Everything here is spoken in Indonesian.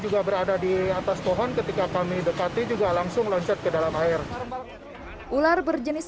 juga berada di atas pohon ketika kami dekati juga langsung loncat ke dalam air ular berjenis